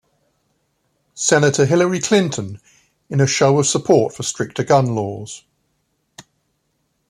Senator Hillary Clinton in a show of support for stricter gun laws.